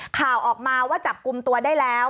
ข่าวออกมาว่าจับกลุ่มตัวได้แล้ว